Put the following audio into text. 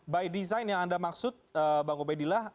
by design yang anda maksud bang ubeck dila